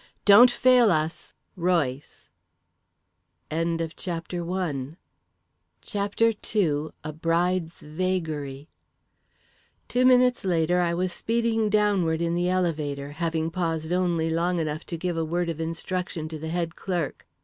Don't fail us." "ROYCE." CHAPTER II A Bride's Vagary Two minutes later, I was speeding downward in the elevator, having paused only long enough to give a word of instruction to the head clerk.